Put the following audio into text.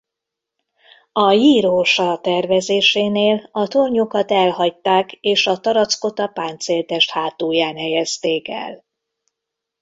A Jiro-Sa tervezésénél a tornyokat elhagyták és a tarackot a páncéltest hátulján helyezték el.